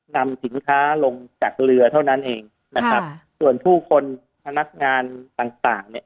นำสินค้าลงจากเรือเท่านั้นเองนะครับส่วนผู้คนพนักงานต่างต่างเนี่ย